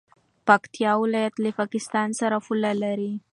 پکتیکا ولایت له پاکستان سره پوله لري.